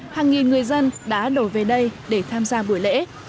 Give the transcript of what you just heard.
hàng nghìn người dân đã đổ về đây để tham gia buổi lễ